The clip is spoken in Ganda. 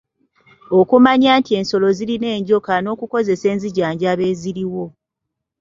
Okumanya nti ensolo zirina enjoka n’okukozesa enzijanjaba eziriwo.